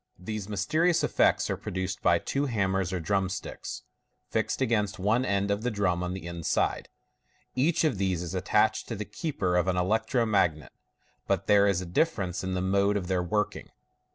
These mysterious effects are produced by two hammers or drum sticks, fixed against one end of the drum on the inside. Each of these is attached to the keeper of an electro magnet, but there is a dilference in the mode of their working.